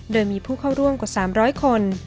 โดยมีผู้เข้าร่วมกว่า๓๐๐คน